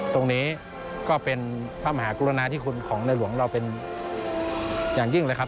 ตรงนี้ก็เป็นพระมหากรุณาที่คุณของในหลวงเราเป็นอย่างยิ่งเลยครับ